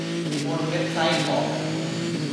บนเว็บไซต์ของ